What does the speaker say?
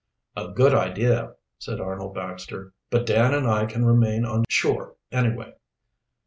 "A good idea," said Arnold Baxter. "But Dan and I can remain on shore anyway."